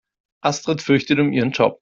Astrid fürchtet um ihren Job.